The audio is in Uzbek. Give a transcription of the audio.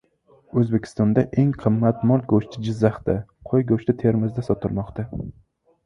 O‘zbekistonda eng qimmat mol go‘shti Jizzaxda, qo‘y go‘shti Termizda sotilmoqda